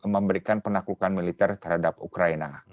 memberikan penaklukan militer terhadap ukraina